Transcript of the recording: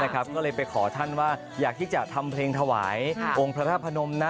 ก็เลยไปขอท่านว่าอยากที่จะทำเพลงถวายองค์พระธาตุพนมนะ